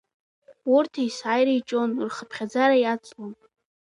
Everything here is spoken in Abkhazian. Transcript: Урҭ есааира иҿион, рхыԥхьаӡара иацлон…